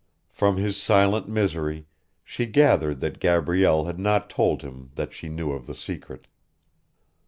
From his silent misery she gathered that Gabrielle had not told him that she knew of the secret.